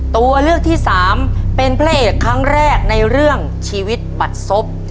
ตัวเลือกที่สามเป็นพระเอกครั้งแรกในเรื่องชีวิตบัดศพ